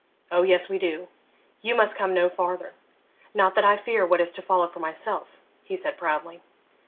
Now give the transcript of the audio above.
'O yes, we do; you must come no farther. Not that I fear what is to follow for myself,' he said proudly.